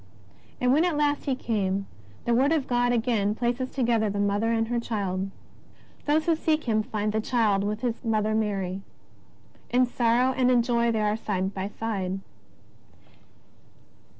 And when at last He came, the word of God again places together the Mother and her Child. Those who seek Him find " the Child with Mary His Mother." In sorrow and in joy they are side by side.